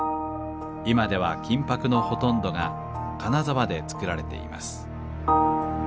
今では金箔のほとんどが金沢でつくられています。